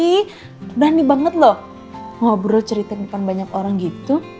berani banget loh ngobrol cerita depan banyak orang gitu